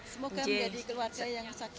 semoga menjadi keluarga yang sakit